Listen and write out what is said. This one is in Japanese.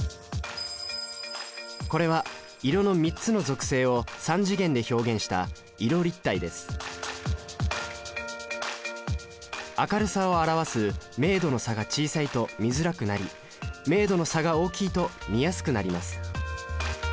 これは色の３つの属性を３次元で表現した明るさを表す明度の差が小さいと見づらくなり明度の差が大きいと見やすくなります。